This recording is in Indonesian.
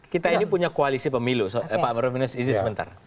kita ini punya koalisi pemilu pak rufinus izin sebentar